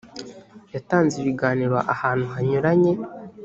yatanze ibiganiro ahantu hanyuranye